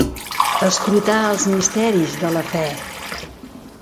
Escrutar els misteris de la fe.